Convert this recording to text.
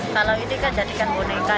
kalau ini kan jadikan boneka